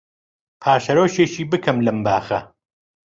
پاشەرۆکێکی بکەم لەم باخە